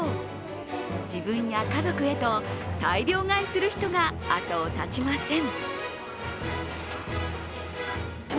自分や家族へと、大量買いする人が後を絶ちません。